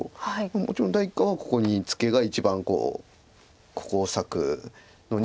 もちろん第一感はここにツケが一番ここを裂くのに。